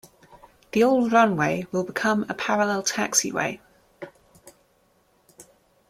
The old runway will become a parallel taxiway.